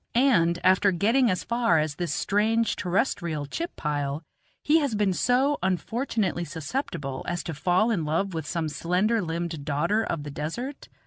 And after getting as far as this strange terrestrial chip pile, he has been so unfortunately susceptible as to fall in love with some slender limbed daughter of the desert?